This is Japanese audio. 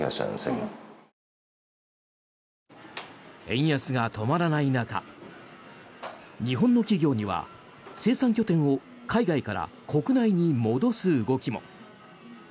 円安が止まらない中日本の企業には生産拠点を海外から国内に戻す動きも。